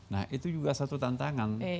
nah itu juga satu tantangan